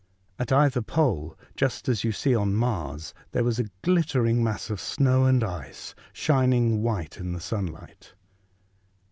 At either pole, just as you see on Mars, there was a glittering mass of snow and ice shining white in the sunlight.